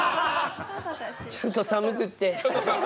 ちょっと寒くって。